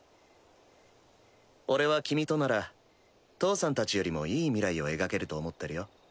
俺は君となら義父さんたちよりもいい未来を描けると思ってるよ